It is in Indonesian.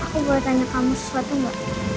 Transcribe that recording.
aku mau tanya kamu sesuatu mbak